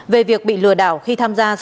về việc bị lừa đảo khi tham gia sàn giao dịch